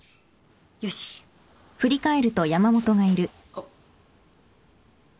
あっ。